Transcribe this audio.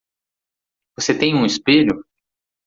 Você tem um espelho?